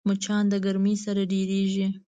مچان د ګرمۍ سره ډېریږي